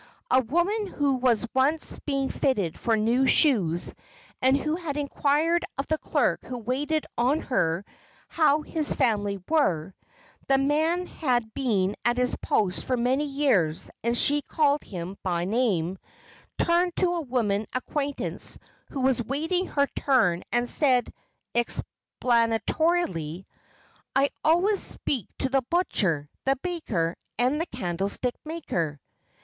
A woman who was once being fitted for new shoes and who had inquired of the clerk who waited on her how his family were—the man had been at his post for many years and she called him by name—turned to a woman acquaintance who was waiting her turn and said, explanatorily, "I always speak to the butcher, the baker and the candlestick maker."